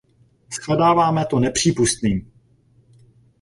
Shledáváme to nepřípustným!